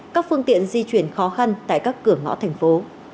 các phương tiện di chuyển khó khăn tại các cửa ngõ thành phố